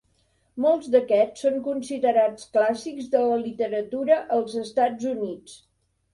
Molts d'aquests són considerats clàssics de la literatura als Estats Units.